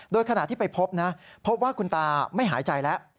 โดยขณะที่ไปพบนะพบว่าคุณตาไม่หายใจแล้ว